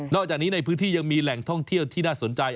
จากนี้ในพื้นที่ยังมีแหล่งท่องเที่ยวที่น่าสนใจ